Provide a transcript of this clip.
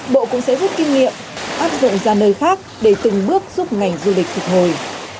bộ cũng sẽ rút kinh nghiệm áp dụng ra nơi khác để từng bước giúp ngành du lịch phục hồi